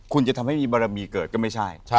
คุณจะทำให้มีบารมีเกิดก็ไม่ใช่